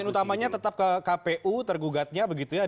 poin utamanya tetap kpu tergugatnya begitu ya